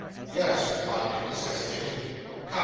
'Yes,' replied Nicholas, hesitating. 'Come!